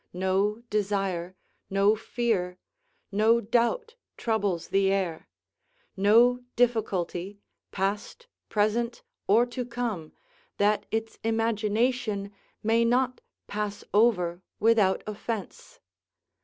No desire, no fear, no doubt, troubles the air; no difficulty, past, present, or to, come, that its imagination may not pass over without offence.